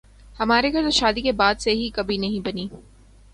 ہمارے گھر تو شادی کے بعد سے ہی کبھی نہیں بنی